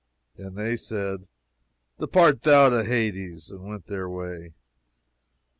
And they said, Depart thou to Hades, and went their way.